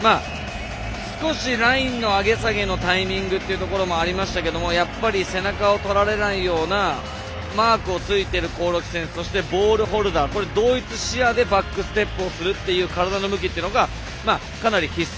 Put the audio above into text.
少しラインの上げ下げのタイミングもありましたがやっぱり背中をとられないようなマークについている興梠選手そしてボールホルダー同一視野でバックステップをするという体の向きがかなり必須。